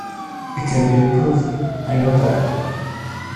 It can be improved; I know that.